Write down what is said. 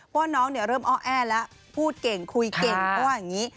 ว่าน้องเริ่มอ้อแอแล้วพูดเก่งคุยเก่งเพราะว่าอย่างนี้